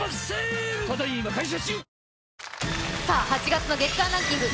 ８月の月間ランキング